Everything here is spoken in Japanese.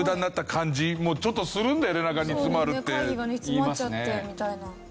「会議が煮詰まっちゃって」みたいな。